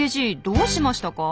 どうしましたか？